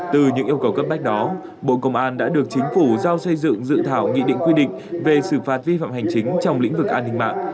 từ những yêu cầu cấp bách đó bộ công an đã được chính phủ giao xây dựng dự thảo nghị định quy định về xử phạt vi phạm hành chính trong lĩnh vực an ninh mạng